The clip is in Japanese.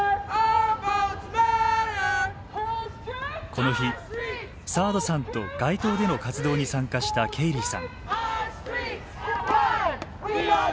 この日サードさんと街頭での活動に参加したケイリーさん。